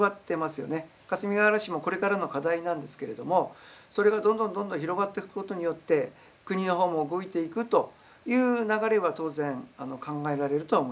かすみがうら市もこれからの課題なんですけれどもそれがどんどんどんどん広がっていくことによって国の方も動いていくという流れは当然考えられるとは思います。